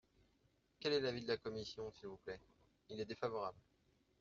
Quel est l’avis de la commission, s’il vous plaît ? Il est défavorable.